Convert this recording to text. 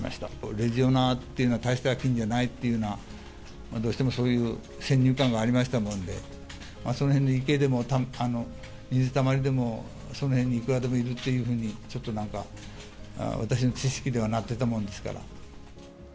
レジオネラというのは、大した菌じゃないというような、どうしてもそういう先入観がありましたもんで、その辺の池でも水たまりでも、その辺にいくらでもいるというふうに、ちょっとなんか、私の知識ではなってたもんですから。